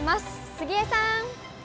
杉江さん。